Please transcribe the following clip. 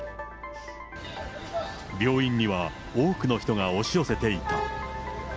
病院には多くの人が押し寄せていた。